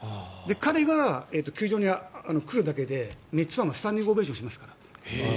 彼が球場に来るだけでメッツファンはスタンディングオベーションしますから。